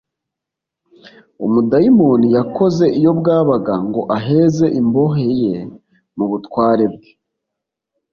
umudayimoni yakoze iyo bwabaga ngo aheze imbohe ye mu butware bwe